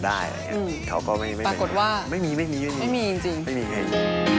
แต่บอกว่าในงานมีเรื่องคำคัญด้วย